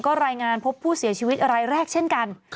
ก็รายงานพบผู้เสียชีวิตรายแรกเช่นกัน